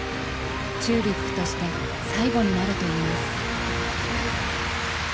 ＴＵＬＩＰとして最後になるといいます。